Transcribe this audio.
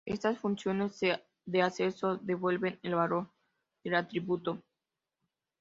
Estas funciones de acceso devuelven el valor del atributo.